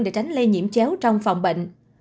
để tránh lây nhiễm chéo trong phòng bệnh